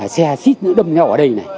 xe xít nữa đâm nhỏ ở đây này